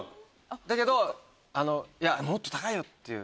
だけど「もっと高いよ」っていう。